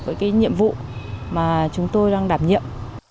đó là những nhiệm vụ mà chúng tôi đang đảm nhiệm